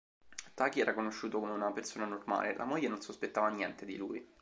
Taki era conosciuto come una persona normale; la moglie non sospettava niente di lui.